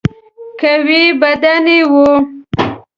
قوي بدن یې وو.